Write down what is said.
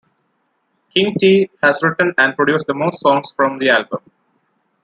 King T has written and produced the most songs from the album.